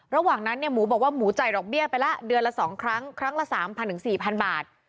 ระหว่างนั้นเนี่ยหมูบอกว่าหมูจ่ายดอกเบี้ยไปละเดือนละ๒ครั้งครั้งละ๓๐๐๔๐๐บาท